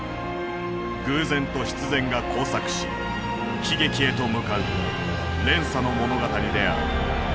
偶然と必然が交錯し悲劇へと向かう連鎖の物語である。